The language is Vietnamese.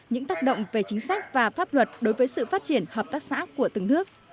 những tác động về chính sách và pháp luật đối với sự phát triển hợp tác xã của từng nước